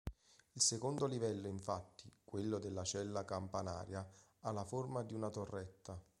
Il secondo livello infatti, quello della cella campanaria, ha la forma di una torretta.